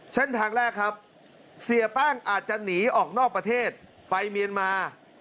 เส้นทางแรกครับเสียแป้งอาจจะหนีออกนอกประเทศไปเมียนมา